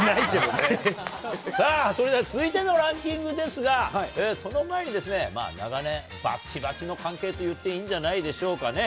さあ、それでは続いてのランキングですが、その前にですね、長年、ばっちばちの関係と言っていいんじゃないでしょうかね。